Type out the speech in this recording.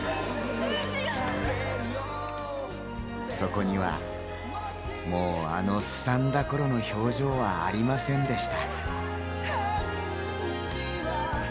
そこにはもうあのすさんだ頃の表情はありませんでした。